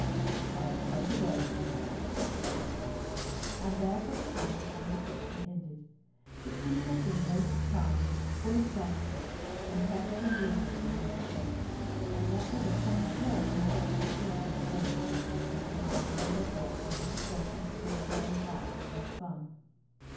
"I am quite aware of it, madam," returned Richard, and there for the time the conversation ended. The Queen had been most charming, full of gratitude, and perfectly reasonable in her requests, and yet there was some flaw in the gratification of both, even while neither thought the disappointment would go very hard with their son.